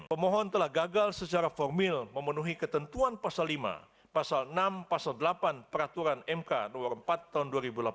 pemohon telah gagal secara formil memenuhi ketentuan pasal lima pasal enam pasal delapan peraturan mk no empat tahun dua ribu delapan belas